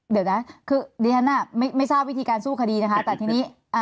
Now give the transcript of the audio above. เดี๋ยวนะคือดิธันไม่ทราบวิธีการสู้คดีนะคะ